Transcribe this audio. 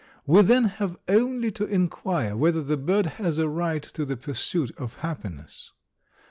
We then have only to inquire whether the bird has a right to the pursuit of happiness.